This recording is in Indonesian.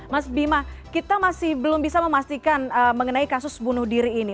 mas bima kita masih belum bisa memastikan mengenai kasus bunuh diri ini